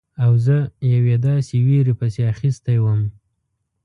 او زه یوې داسې ویرې پسې اخیستی وم.